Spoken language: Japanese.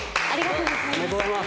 ありがとうございます。